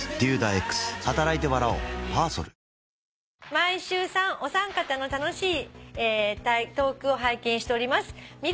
「毎週お三方の楽しいトークを拝見しております」